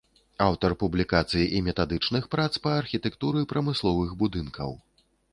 Аўтар публікацый і метадычных прац па архітэктуры прамысловых будынкаў.